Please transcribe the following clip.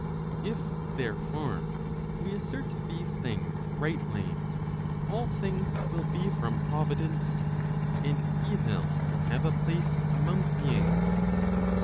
If, therefore, we assert these tilings rightly, all things will be from Providence, and evil will have a place among beings.